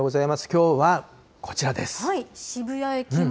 きょうはこちらです。